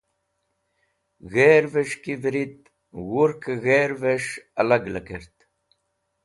G̃hervẽs̃h ki vẽrit wurkẽ g̃hervẽs̃h alag lekẽrt.